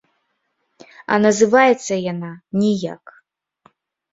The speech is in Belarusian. А называецца яна ніяк!